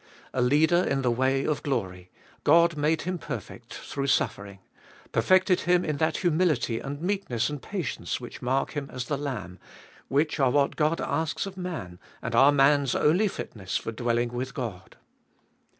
A Leader in the way of glory, God made Him perfect through suffering; perfected in Him that humility and meekness and patience which mark Him as the Lamb, which are what God asks of man, and are man's only fitness for dwelling with God.